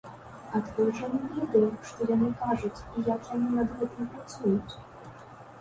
Адкуль жа мы ведаем, што яны кажуць і як яны над гэтым працуюць?